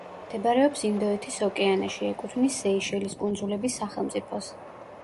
მდებარეობს ინდოეთის ოკეანეში, ეკუთვნის სეიშელის კუნძულების სახელმწიფოს.